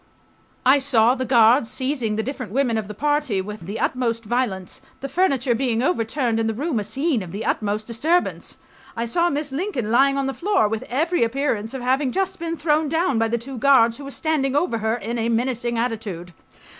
I ... saw the guards seizing the different women of the party with the utmost violence, the furniture being overturned and the room a scene of the utmost disturbance. I saw Miss Lincoln lying on the floor, with every appearance of having just been thrown down by the two guards who were standing over her in a menacing attitude.